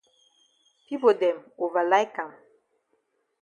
Pipo dem ova like am.